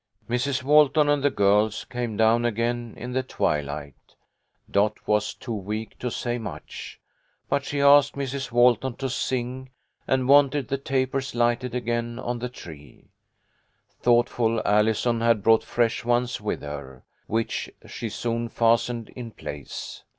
Mrs. Walton and the girls came down again in the twilight. Dot was too weak to say much, but she asked Mrs. Walton to sing, and wanted the tapers lighted again on the tree. Thoughtful Allison had brought fresh ones with her, which she soon fastened in place.